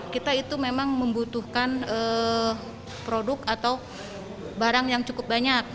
kita itu memang membutuhkan produk atau barang yang cukup banyak